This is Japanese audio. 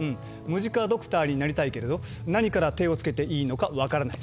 「ムジカドクターになりたいけれど何から手をつけていいのか分からない」。